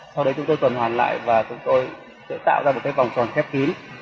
sau đấy chúng tôi tuần hoàn lại và chúng tôi sẽ tạo ra một cái vòng tròn khép kín